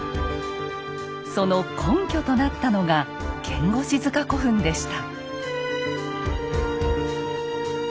その根拠となったのが牽牛子塚古墳でした。